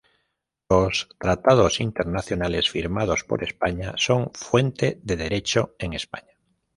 Los Tratados Internacionales firmados por España son fuente de derecho en España.